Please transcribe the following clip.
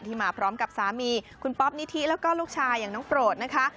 มาพร้อมกับสามีคุณป๊อปนิธิแล้วก็ลูกชายอย่างน้องโปรดนะคะ